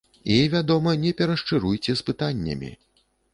І, вядома, не перашчыруйце з пытаннямі.